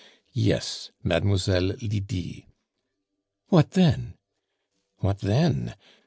"Yes, Mademoiselle Lydie." "What then?" "What then?